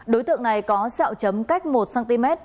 đối tượng này có xeo chấm cách một cm